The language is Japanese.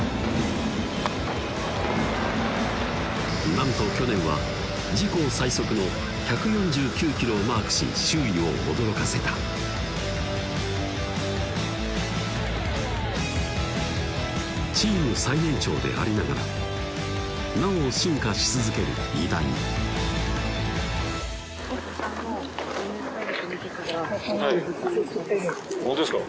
なんと去年は自己最速の１４９キロをマークし周囲を驚かせたチーム最年長でありながらなお進化し続ける偉大ホントですか？